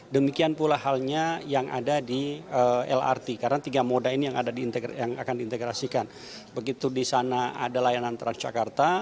begitu di sana ada layanan transjakarta